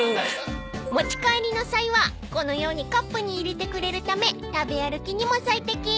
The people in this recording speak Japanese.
［持ち帰りの際はこのようにカップに入れてくれるため食べ歩きにも最適］